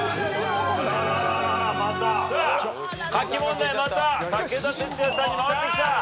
書き問題また武田鉄矢さんに回ってきた。